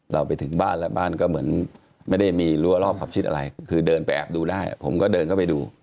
ไปถึงบ้านแล้วบ้านก็เหมือนไม่ได้มีรั้วรอบขอบชิดอะไรคือเดินไปแอบดูได้ผมก็เดินเข้าไปดู